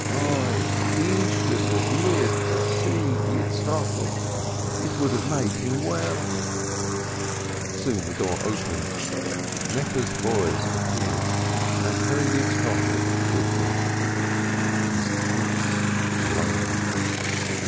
"Oi, he should have lived to see Yitzchokel, it would have made him well." Soon the door opened, Necheh's boys appeared, and her Yitzchokel with them. His cheeks flamed.